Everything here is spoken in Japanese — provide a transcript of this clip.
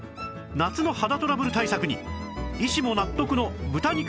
夏の肌トラブル対策に医師も納得の豚肉×